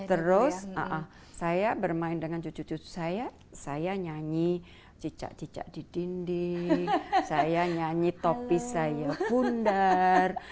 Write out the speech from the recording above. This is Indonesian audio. terus saya bermain dengan cucu cucu saya saya nyanyi cicak cicak di dinding saya nyanyi topi saya pundar